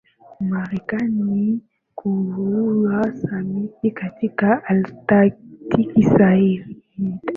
Marekani kuvua samaki katika Atlantiki Sasa vita